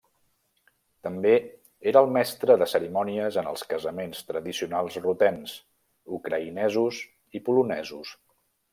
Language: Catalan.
També era el mestre de cerimònies en els casaments tradicionals rutens, ucraïnesos i polonesos.